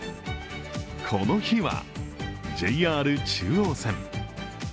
この日は、ＪＲ中央線。